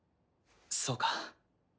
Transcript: そうか。